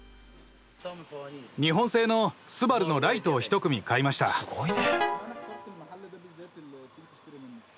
日本製のスバルのライトを１組買いましたすごいね。